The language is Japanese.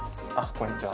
こんにちは。